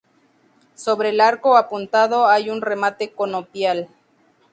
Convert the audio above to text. Sobre el arco apuntado hay un remate conopial.